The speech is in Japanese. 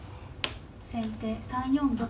先手３四玉。